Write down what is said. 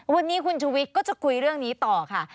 วันนี้คุณชูวิทย์ก็จะคุยเรื่องนี้ต่อค่ะ